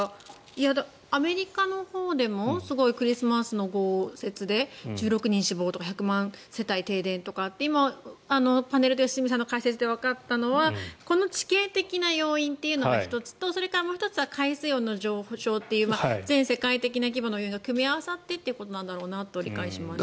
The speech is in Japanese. アメリカのほうでもクリスマスの豪雪で１６人死亡とか１００万世帯停電とかって今、パネルで良純さんの解説でわかったのはこの地形的な要因っていうのが１つとそれからもう１つは海水温の上昇と全世界的な規模のものが組み合わさってだと理解しました。